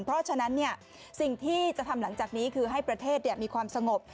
เพราะฉะนั้นสิ่งที่จะทำหลังจากนี้คือให้ประเทศมีความสงบ